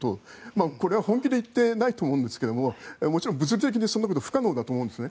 これは本気で言っていないと思うんですがもちろん物理的に、そんなことは不可能だと思うんですね。